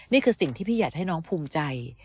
นี่คือสิ่งที่พี่อยากให้น้องภูมิใจ